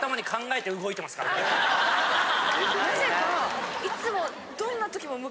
なぜかいつも。